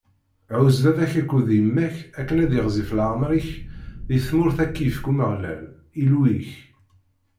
Ɛuzz baba-k akked yemma-k akken ad yiɣzif leɛmeṛ-ik di tmurt ara k-ifk Umeɣlal, Illu-ik.